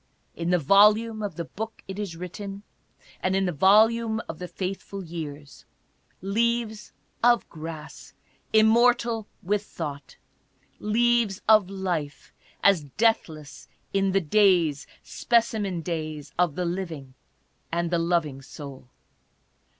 In the volume of the Book it is written, and in the volume of the faithful years: Leaves of Grass immortal with thought ; Leaves of Life as deathless in the days, Specimen Days of the living and the loving soul.